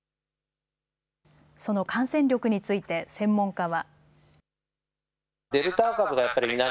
その感染力について専門家は。